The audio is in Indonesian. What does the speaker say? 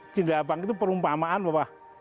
cindil abang itu perumpamaan bapak